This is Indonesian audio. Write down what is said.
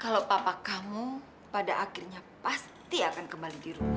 kalau papa kamu pada akhirnya pasti akan kembali di rumah